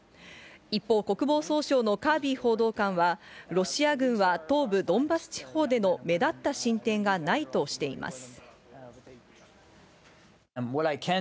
一方、国防総省のカービー報道官はロシア軍は東部ドンバス地方での目立った進展がないとしています。